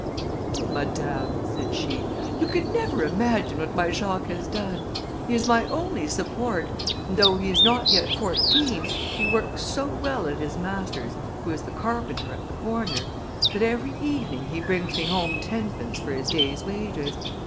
"Oh! madame," said she, "you could never imagine what my Jacques has done. He is my only support, and though he is not yet fourteen, he works so well at his master's, who is the carpenter at the corner, that every evening he brings me home tenpence for his day's wages.